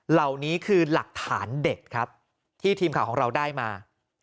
เหล่านี้คือหลักฐานเด็ดครับที่ทีมข่าวของเราได้มา